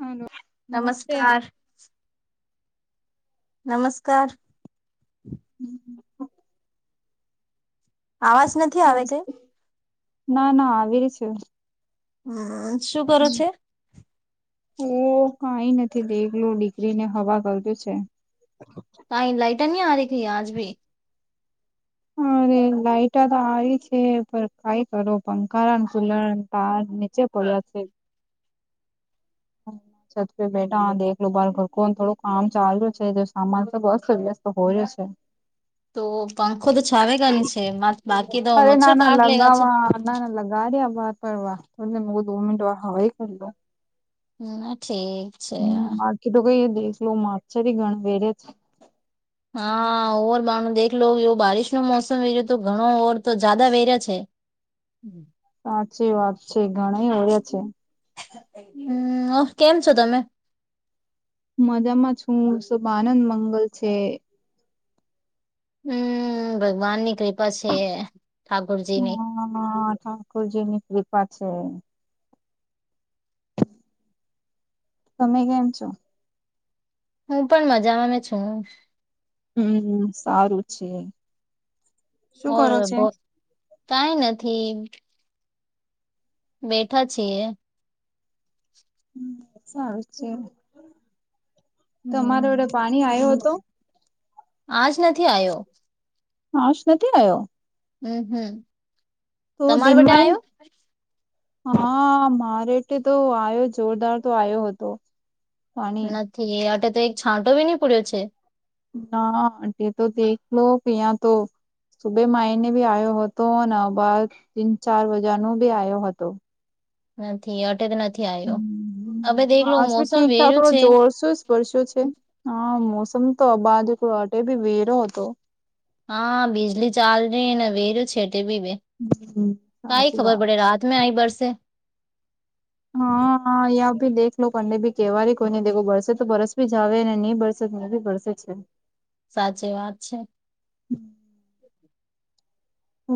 Hello નમસ્તે નમસ્કાર. નમસ્કાર. [inaudible] આવાજ નત ના ના આવી છે. શું કરો છે? ઓ કાઈ નથી દેખલું દીકરીને હવા કર્યું છે. કાંઈ લાઇટર ની આરીથી આજ ભી [inaudible] લાઈટ તો આવી છે પર કાઈ કરો પંખારન સુધારન તાર નીચે કોઈક છે [inaudible] છત પે બેટા દેખ લો બાર ઘર કોન થોડું કામ ચાલું છે તો સામાન ત અસ્તવ્યસ્ત હોય જ છે. તો પંખો તો છાવેગાની છે માત બાકી તો મચ્છર કાંટ લે ગા છ નાના [inaudible] અમના ઠીક છે. એ તો કઈ દે એખલો માછરી ઘણ વેરે છે. હા ઓવર બાણ દેખ લો એવો બારિશ નો મોસમ વેર્યો તો ઘણો ઓવર તો જાદા વેરે છે. હાચી વાત છે, ઘણે ઓળ્યા છે. [unintelligible] કેમ છો તમે? મજામાં છું શુભ આનંદ મંગલ છે. હું ભગવાનની કૃપા છે, ઠાકુરજીની ખૂજીની કૃપા છે. તમે કેમ છો? હું પણ મજામાં મે છું હું સારું છે. શું ઓર કરો છે? ભો કાઈ નથી બેઠા છીએ સારું છે, તમારે વડે પાણી હમ આયો અતો? આજ નથી આયો હાજ નથી આયો [inaudible] તો તમાર વટે દિનમાંયન આવ્યો હ મારેટે તો આયો જોરદાર તો આયો હતો. પાણી નથી અટ તો એક છાંટો બી ની પડ્યો છે. ના તે તો ટેકલો લો કેયા તો સુબે માંઈને બી આયો હતો અને બાદ તીન ચાર વાજા નો બી આયો હતો. નથી અટે તો નથી આયો હવે દેખલો મોસમ વેરો છે. વર્ષો છે, હા મોસમ તો અબાજ અટે બી વેરો હતો. હા બિજલી ચાલ રહીને વેર છેટે ભી બે હમ્મ, કાઈ સાચી ખબર પડે વાત. રા તમે આઈ બરસે હા [inaudible] હા યા ભી દેખ લો કંડે ભી કેહેવાય કોઈને દેખો બરસે તો બરસ ભી જાવે અને નહી બરસે તો ન ભી બરસે છે. સાચી વાત છે.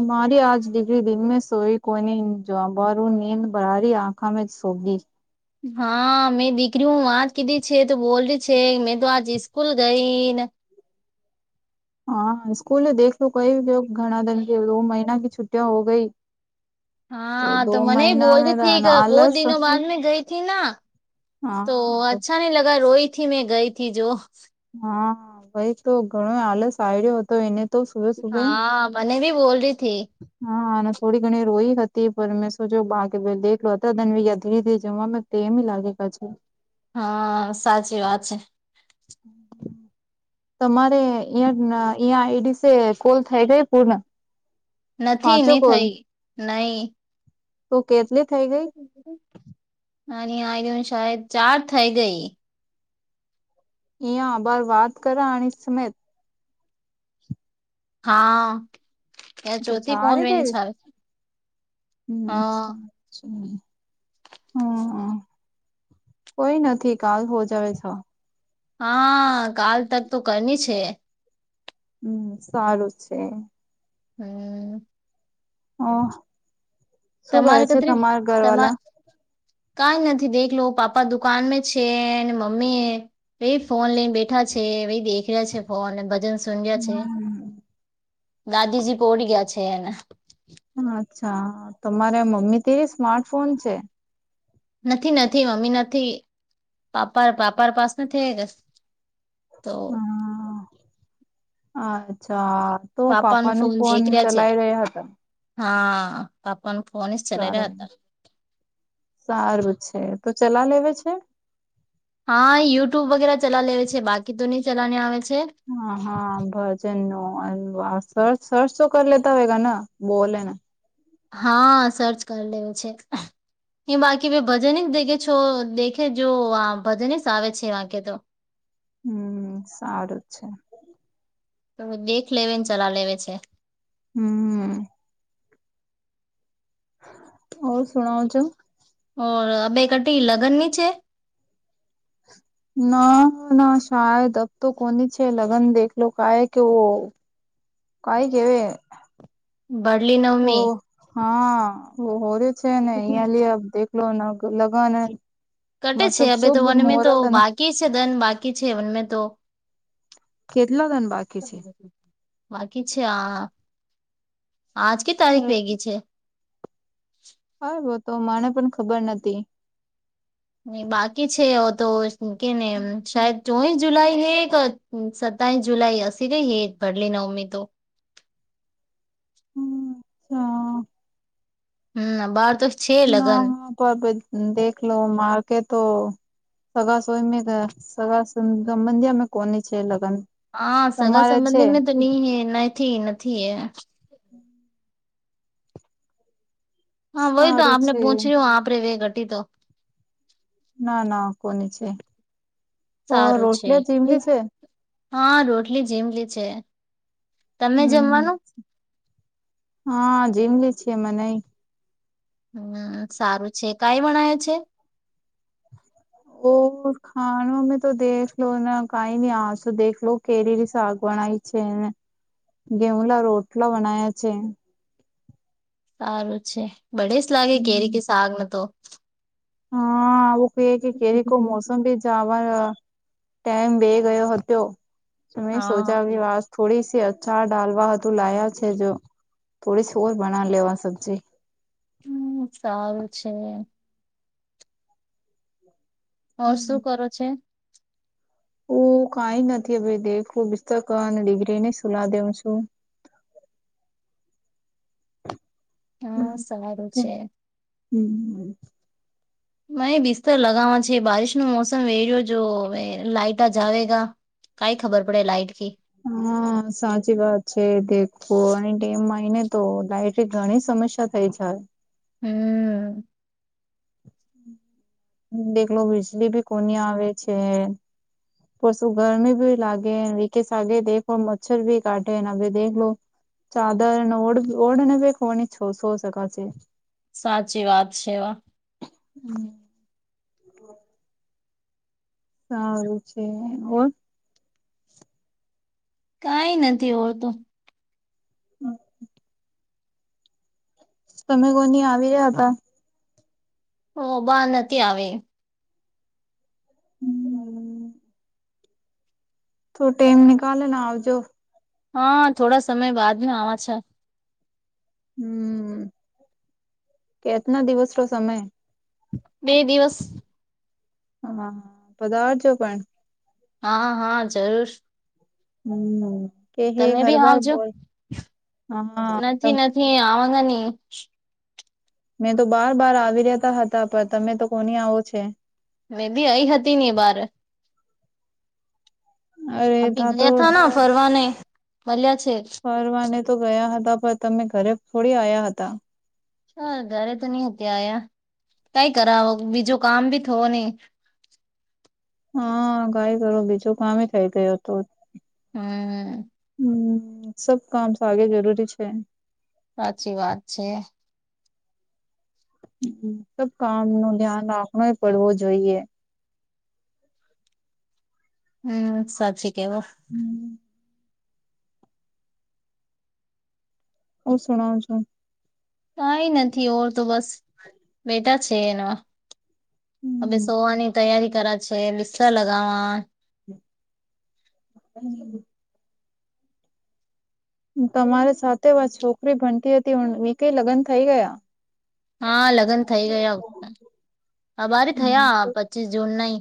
મારી આજ ડિગરી દિન મે સોઈ કોઈની જબારું નીંદ બારી આંખા મે સોગી હા મેં દીકરી હું વાત કીધી છે, તો બોલ છે, મેં તો આજ સ્કૂલ ગઈ ને હ સ્કૂલે દેખલો કોઈ ઘણા દંગે દ મહિના ક છુટ્ટિ હો ગઈ હા દો તો મને મહિના બોલ મે હતીથી બો આલસ દિનો બાદ મે ગઈ તી ના તો અચ્છા ની લગા રોઈ થી મેં ગઈથી જો હા ભાઈ તો ઘણો આલસ આવ્યો હતો એને તો સુબે સુબે હા મને ભી બોલ રી થી હ અને થોડી ઘણી રોઈ હતી પણ મેં સોજો બાકી [unintelligible] ધીરે ધીરે જમવા તેમે લાગે કજ હ સાચી વાત છે. તમારે અં અં આઈડીસે કોલ થય ગય પૂર્ણ નથી પાંચો ની થઈ નય ઓકે એટલી થઈ ગ અને આ સાયદ ચાર થઇ ગઈ ઈયા આભાર વાત કરા આણે સમેટ હા એયા તો ચોથી ચારી થઈ પોચવેની ગઈ છે, હ હ. કોઈ નથી કાલ હો જાવે છ હા કાલ તક તો કરની છે. હમ સારુ છે. હમ્મ હ શું કરે તમારે છે, કતરી તમારા ઘર તમા વાલા કઈ નથી દેખલો પાપા દુકાનમાં છે, મમ્મી ભ ફોન લઈને બેઠા છે ભાઈ દેખ છે ફ અને ભજન સ્યા છે હમ દાદીજી પોડી ગયા છે, એને અચ્છા તમારે મમ્મી થી સ્માર્ટ ફોન છે. નથી નથી મમ્મી નથી પાપા પાપા પાસ નથી ગસ હમ અચ્છા તો નું પાપા ન ફોન દેખ રહ્યા છે ચલાઈ રહ્યા હતા. હા પાપાને ફોન જ ચલા રહ્યા હતા. સારું છે તો ચલા લેવે છે. હા યુટ્યુબ વગેરે ચલા લેવે છે બાકી તો નહી ચલાને આવે છે. હા હા ભજન ન સર સરર્ચ તો કર લેતા હોય ના બોલ હા સર્ચ કરી લે છે. એ બાકી ભ ભજન જ દેખે છો, દેખે જો આ ભજને જ આવે છે વાંકે ત હમ સારુ જ છે. તો દેખ લેવીને ચલા લેવે છે. હમ્મ હ, શણઉ છો. ઓર, અબે કટી લગન નીચે [unintelligible] ના ના શાયદબ તો કોની છે, લગ્ન દેખલો, કાય કે કહી કેવે ભડલી ઓ નવમી હા હોર છેને [inaudible] અહિ યાંલ દેખલોને લગ કટે છે. એમ તો વનમે તો બાકી છે, દન બાકી છે, વનમે તો કેટલા રન બાકી છે. બાકી છે, આ આજ કે તારીખ થઈ છે. હા, તો મને પણ ખબર નથી. બાકી છે, [unintelligible] એઓ તો કે ને શહેદ ચોવીસ જુલાઈને એક સત્તાવીસ, જુલાઈ અ કઈ ભરલી નવમી તો હા હમ, બાર તો છે ના, લગન [unintelligible] હ પર દેખલો માારકે તો સગ સોઈ મે સગાબંધ્યામાં કોને છે, લગન હા, સગા સંબંધી મેં [unintelligible] તો ની હૈ નહી, હ નથી એે હમ.. હા, વય તો સારું આપને છે પહચ્યું, આપ રેવે ઘટી તો ના ના કોની છે, ઓ સારું છે રોટલી જીમલી છે. હા, રોટલી જેમલી છે, તમે હમ જમવાનુ હા, જીમલી છી મનેઈ હમ, સારું છે, કઈ વણાય છે. ઓ ખામેં તો દેખ લો ના કઈ ન, આજ તો દખલો, લો કેરી સાગ બનાઈ છે, ગેઉલા રોટલા બનાયા છે. સારું છે, બડે જ લાગે કેેરી કે શકને તો હા, [unintelligible] વ ક કે કેરી કો મોસમ ભી [unintelligible] વા ટાઈમ બે ગયો હતો, તમે હા સોજા વા થોડી સી અચાર ડાલવા હતુ, લાયા છે. જો થોડી સ ઓર બના લેવા સબ્જી હમ, સારુ છે. ઓર, શું કરો છે? હું કઈ નથી, [unintelligible] હ ભ દેખું બિસ્ત ડિગ્રીને સુલાહ દેઉ છું. હા, સવાલું છે. હમ.. મેહી બિસ્તર લગાવા છે,, બારિશ ન મોસમ વે રહ્યો, જો લાટ આ જાવેગા.. કઈ ખબર પડે લાઇટ કે.. હા, સાચી વાત છે, દેખો અને ડમમાંયને તો ડાયટ ઘણી સમસ્યા થઈ જાય.. હમ.. દેખલો વીજળીબી કોની આવે છે. પશુ ગરમીભી લાગે રી કેસ [unintelligible] આગે, દખો મચ્છર ભી કાટેે ભે દેખ લો. ચાદર ઓળ ઓળને [unintelligible] ભ હોળની છ સો શકા છે. સાચી વાત છે. હ.. [inaudible] હમ.. હમ.. સારું છે, ઓર કઈ નથી, ઓળતું. હમ.. તમે કોની આવી રહ્યા હતા. ઓ, બહાર નથી આવી. તો ટટેમ નિકલેે આવજો હા થોડા સમય બાદ મે આવા છે હમ કેટના દિવસ નો સમય બે દિવસ હાા પદાર્જો પણ હા હા જરૂર હમ કે હ તમે બી ઘરબર આવજો બોલ હા ન આવાના ન મેં તો બાર બાર આવી રતા હતા પણ તમે તો કોની આવો છે મેદી અઈ હતી ની બાર અરે આપ ભી તો ગયા તા ફરવાને મળ્યા છે ફરવાને તો ગયા હતા પણ તમે ઘરે થોડી આવ્યા હતા હા ઘરે તો નઈ હત આ્યા કઈ કરાવો બીજો કામ ભી થવો નહીિ હા ગાઈ કર બીજું કામ થઈ ગય હતું હમ હમ સબ કામ સા આગે જરૂરી છે સાચી વાત છે હ સબ કામ નું ધ્યાન રાખણય પડવો જોઈએ હમ સાચી કેવો હમ હ શણા છો કઈ નથી ઓર તો બસ બેટા છે એના હવે સોવાની તૈયારી કરા છે બિસ્લા લગાવા [inaudible] તમારી સાથે વા છોકરી ભણતી હતી હ વી કઈ લગ્ન થઈ ગયા હા લગ્ન થઈ ગયા અ બરે હમ થયા તો પચીસ જૂન ના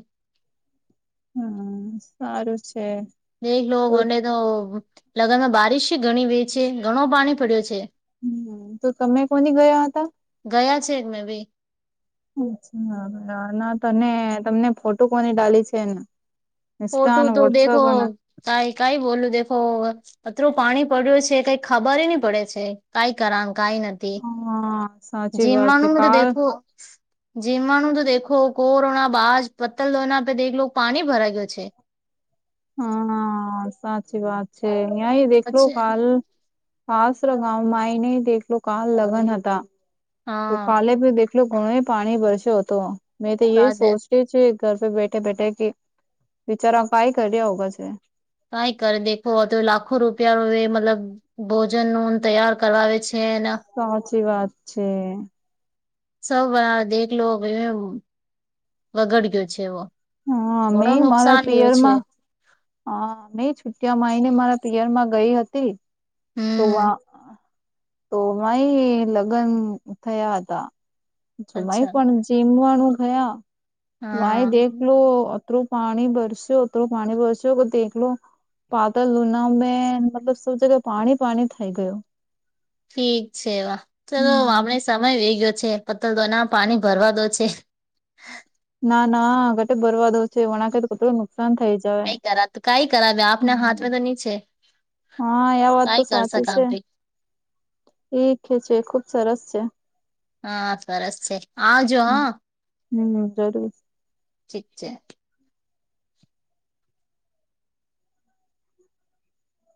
હમ સારું છે દ લોકો અે તો લગ્નમાં બારિશ ઘણી વે છે ઘણો પાણી પડ્યો છે હ તો તમે કોની ગયા હતા ગયા છે જ મેં ભી અચ્છા બરાબર ના તને તમને ફોટો કોની ડાલી છે ને ઇન્સ્ટા ફોટું અને તું દેખો, વોટ્સઅપ અને કઈ કઈ બોલું દેખો. પતરો પાણી પડ્યો છે, કઈ ખબર નહી પડે છે, કઈ રામ, કઈ નથી. હા સાચી વાત છે જીમવાણ કાલ દેખો. જીમવાનું તો દેખો, કોરોના બાજ પત્તલ દોરનાે, પાણી ભરાઈ ગયો. છે. હા, સાચી વાત છે. અહીં દેખલો અચ્છા કાલ. હાસ, ર ગામાંય નહીં, તેટલું કાલ લગ્ન હતા. તો હા કાલે પ દેખલો, ઘણો પાણી ભરસે હોતો, મેં તો એ સાદે સોચ. છે, ઘર પે બેઠે, બેઠે કે, વિચારા કંઈ કરી રહ્યા હોય છે. કઈ કર દેખો તો, લાખો રૂપિયા, મતલબ, ભોજન ન તૈયાર કરાવે છે. તેના. સાચી વાત છે. સૌ દેખલો, કેમ વગડ ગયો છે, એવો. હા ઘણો મેં મારા નુકસાન થયું છે. પિયરમાં હા, મેં છુટિયામાં આવી ને, મારા પિયર માં ગઈ હતી. તો હમ વા. તો માય લગ્ન થયા હતા, જો માય અચ્છા પણ જીમવાનું. થયા, ભાઈ હા દેખલો, લો અતરું પાણી ભરસે યો ઓતરું પાણી ભરસે. જો દેખલો, પાતળી લુના મે મતલબ, સૌ જગ્યા પાણી પાણી થઈ ગયું. ઠીક છે, ચલો, હમ આપડે સમય વે ગયો છે, પતલ દોનામાં પાણી ભરવા દો છે. ના ના અ ગટ બરવા દો [unintelligible] જે વણાકે તો કેટલું નુકસાન થઈ જાય, હ. બની છે. હા, એ વાત તો કઈ સાચી કરશક છે, આપે એ છે, ખુબ સરસ છે. હા, સરસ છે, આવજો, હા. હમ, જરૂર. ઠીક છે.